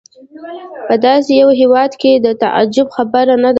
په داسې یو هېواد کې د تعجب خبره نه ده.